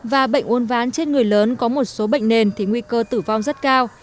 và bệnh uốn ván trên người lớn có một số bệnh nền thì nguy cơ tử vong rất cao